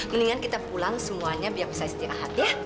mendingan kita pulang semuanya biar bisa istirahat ya